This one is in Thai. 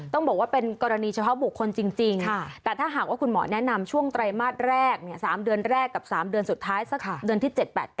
ต้องบอกว่าเป็นกรณีเฉพาะบุคคลจริงแต่ถ้าหากว่าคุณหมอแนะนำช่วงไตรมาสแรก๓เดือนแรกกับ๓เดือนสุดท้ายสักเดือนที่๗๘๙